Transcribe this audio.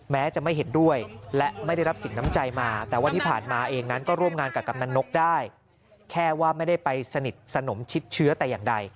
แม้จะไม่เห็นด้วยและไม่ได้รับสินน้ำใจมาแต่ว่าที่ผ่านมาเองนั้นก็ร่วมงานกับกำนันนกได้แค่ว่าไม่ได้ไปสนิทสนมชิดเชื้อแต่อย่างใด